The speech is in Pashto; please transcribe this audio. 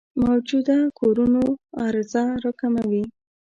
موجوده کورونو عرضه راکموي.